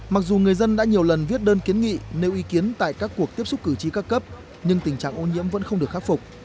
mặc dù người dân đã nhiều lần viết đơn kiến nghị nêu ý kiến tại các cuộc tiếp xúc cử tri các cấp nhưng tình trạng ô nhiễm vẫn không được khắc phục